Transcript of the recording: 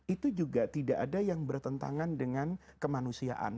itu juga tidak ada yang bertentangan dengan kemanusiaan